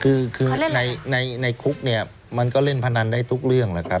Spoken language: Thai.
คือในคุกเนี่ยมันก็เล่นพนันได้ทุกเรื่องแหละครับ